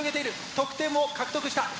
得点も獲得した。